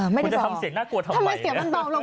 ไม่ได้บอกทำไมเสียงมันบอบลงเรื่อย